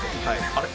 あれ？